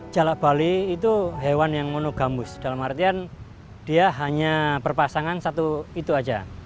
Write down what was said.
jalak bali itu hewan yang monogambus dalam artian dia hanya berpasangan satu itu saja